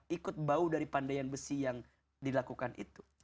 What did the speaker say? ikut bau dari pandaian besi yang dilakukan itu